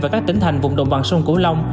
và các tỉnh thành vùng đồng bằng sông cửu long